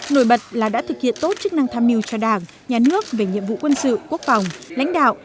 nổi bật là đã thực hiện tốt chức năng tham mưu cho đảng nhà nước về nhiệm vụ quân sự quốc phòng lãnh đạo